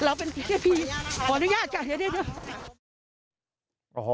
เราเป็นพี่พออนุญาตก่อนเดี๋ยว